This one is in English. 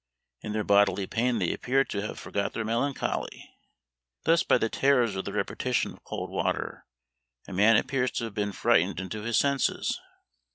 In their bodily pain they appear to have forgot their melancholy; thus by the terrors of the repetition of cold water, a man appears to have been frightened into his senses!